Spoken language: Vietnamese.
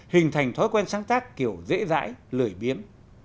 hình thành thói quen sáng tác kiểu dễ dãi lời biến